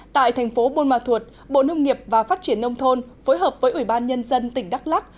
tại thành phố buôn ma thuột bộ nông nghiệp và phát triển nông thôn phối hợp với ủy ban nhân dân tỉnh đắk lắc